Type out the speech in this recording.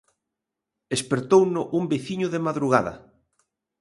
Espertouno un veciño de madrugada.